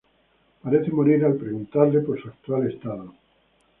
Parece morir al preguntarle por su actual estado.